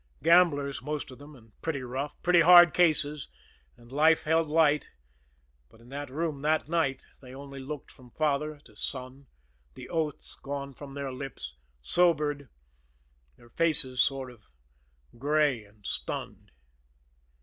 Gamblers, most of them, and pretty rough, pretty hard cases, and life held light but in that room that night they only looked from father to son, the oaths gone from their lips, sobered, their faces sort of gray and stunned.